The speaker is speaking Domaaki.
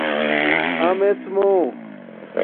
آمڎمُو